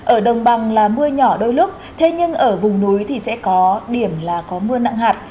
ở đồng bằng là mưa nhỏ đôi lúc thế nhưng ở vùng núi thì sẽ có điểm là có mưa nặng hạt